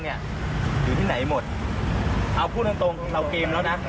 เนี้ยอยู่ที่ไหนหมดเอาพูดตรงตรงของเกมแล้วน่ะ